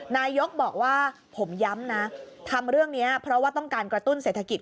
นายกบอกว่าผมย้ำนะทำเรื่องนี้เพราะว่าต้องการกระตุ้นเศรษฐกิจ